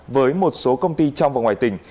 với một số công ty trong và ngoài tỉnh